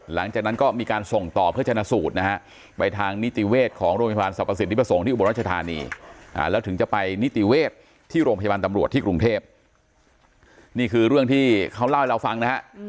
หลังจากนั้นก็มีการส่งต่อเพื่อจรรยสูตรนะครับไปทางนิติเวช